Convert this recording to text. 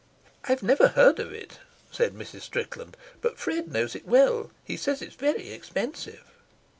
"I've never heard of it," said Mrs. Strickland. "But Fred knows it well. He says it's very expensive."